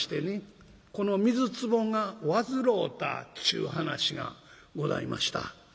この水つぼが患うたっちゅう噺がございました。